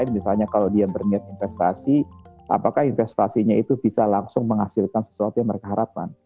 misalnya kalau dia berniat investasi apakah investasinya itu bisa langsung menghasilkan sesuatu yang mereka harapkan